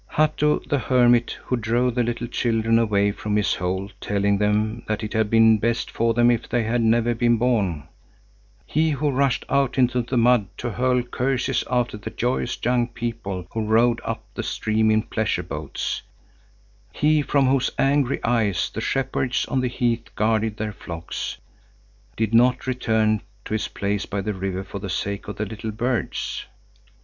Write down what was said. Hatto the hermit, who drove the little children away from his hole telling them that it had been best for them if they had never been born, he who rushed out into the mud to hurl curses after the joyous young people who rowed up the stream in pleasure boats, he from whose angry eyes the shepherds on the heath guarded their flocks, did not return to his place by the river for the sake of the little birds.